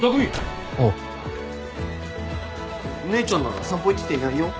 姉ちゃんなら散歩行ってていないよ。